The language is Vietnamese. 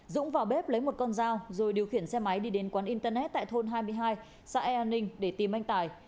dũng vào bếp lấy một con dao rồi điều khiển xe máy đi đến quán internet tại thôn hai mươi hai xã e an ninh để tìm anh tài